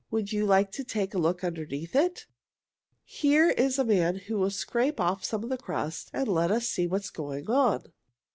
Would you like to take a look underneath it? Here is a man who will scrape off some of the crust and let us see what is going on."